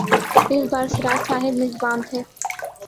اس بار سراج صاحب میزبان تھے۔